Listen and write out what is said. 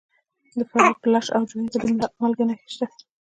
د فراه په لاش او جوین کې د مالګې نښې شته.